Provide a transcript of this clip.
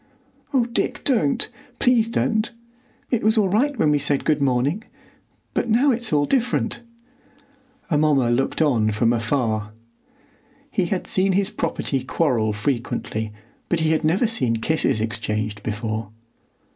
"Oh, Dick, don't! Please don't! It was all right when we said good morning; but now it's all different!" Amomma looked on from afar. He had seen his property quarrel frequently, but he had never seen kisses exchanged before.